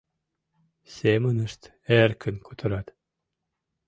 Семынышт эркын кутырат.